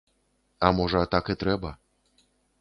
А можа, так і трэба.